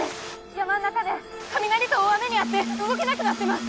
山ん中で雷と大雨に遭って動けなくなってます。